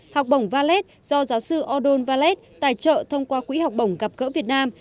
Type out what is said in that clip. học bổng valet do giáo sư odon valet tài trợ thông qua quỹ học bổng gặp gỡ việt nam